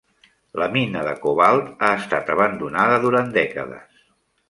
La mina de cobalt ha estat abandonada durant dècades.